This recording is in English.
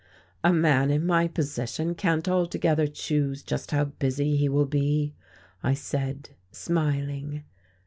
"A man in my position can't altogether choose just how busy he will be," I said smiling.